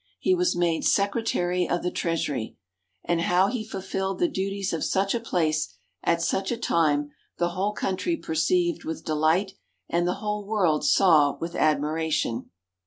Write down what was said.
He was made Secretary of the Treasury. And how he fulfilled the duties of such a place, at such a time, the whole Country perceived with delight and the whole World saw with admiration.